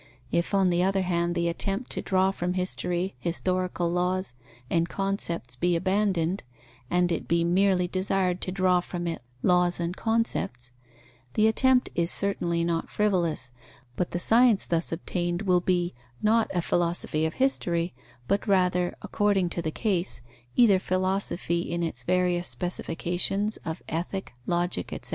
If, on the other hand, the attempt to draw from history historical laws and concepts be abandoned, and it be merely desired to draw from it laws and concepts, the attempt is certainly not frivolous; but the science thus obtained will be, not a philosophy of history, but rather, according to the case, either philosophy in its various specifications of Ethic, Logic, etc.